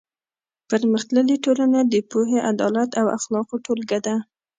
پرمختللې ټولنه د پوهې، عدالت او اخلاقو ټولګه ده.